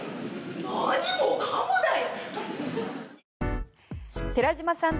何もかもだよ。